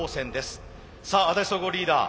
さあ安達総合リーダー